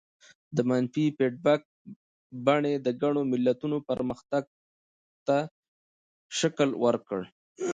د منفي فیډبک بڼې د ګڼو ملتونو پرمختګ ته شکل ورکړ.